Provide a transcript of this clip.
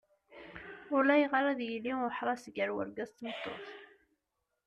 Ulayɣer ad yili uḥras gar urgaz d tmeṭṭut.